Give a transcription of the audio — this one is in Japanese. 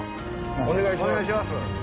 お願いします